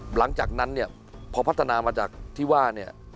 หลังจากนั้นพอพัฒนามาจากที่ว่า